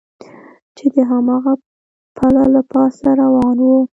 چې د هماغه پله له پاسه روان و.